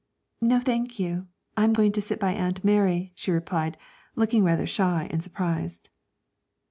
'No, thank you; I'm going to sit by Aunt Mary,' she replied, looking rather shy and surprised.